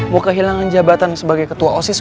mau kehilangan jabatan sebagai ketua osis